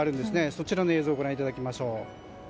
そちらの映像をご覧いただきましょう。